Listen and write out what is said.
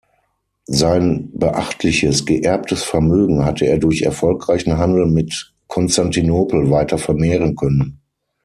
Sein beachtliches geerbtes Vermögen hatte er durch erfolgreichen Handel mit Konstantinopel weiter vermehren können.